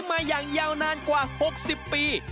มาอย่างยาวนานกว่า๖๐ปี